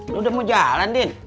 lo udah mau jalan din